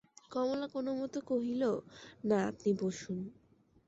কমলা কোনোমতে কহিল, না, আপনি বসুন।